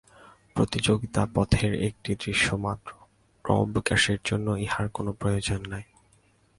প্রতিযোগিতা পথের একটি দৃশ্য মাত্র, ক্রমবিকাশের জন্য ইহার কোন প্রয়োজন নাই।